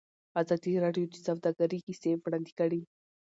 ازادي راډیو د سوداګري کیسې وړاندې کړي.